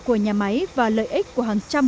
của nhà máy và lợi ích của hàng trăm